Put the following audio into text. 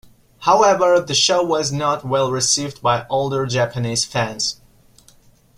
However, the show was not well received by older Japanese fans.